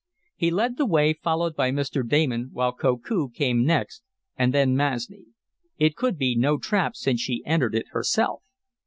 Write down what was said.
He led the way, followed by Mr. Damon, while Koku came next and then Masni. It could be no trap since she entered it herself.